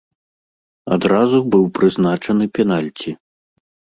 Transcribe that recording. Адразу быў прызначаны пенальці.